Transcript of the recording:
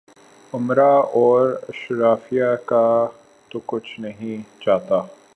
امرا اور اشرافیہ کا تو کچھ نہیں جاتا۔